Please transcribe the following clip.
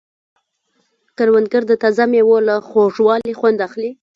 کروندګر د تازه مېوو له خوږوالي خوند اخلي